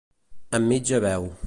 Amb mitja veu.